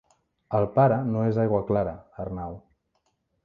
El pare no és aigua clara, Arnau.